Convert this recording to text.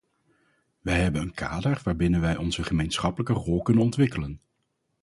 Wij hebben een kader waarbinnen wij onze gemeenschappelijke rol kunnen ontwikkelen.